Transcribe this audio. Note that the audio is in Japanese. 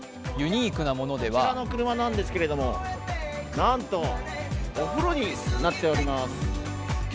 ユニークなものではこちらの車なんですけれどもなんとお風呂になっております。